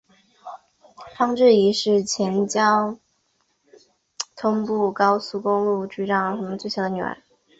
方智怡是前交通部高速公路工程局局长方恩绪的最小的女儿。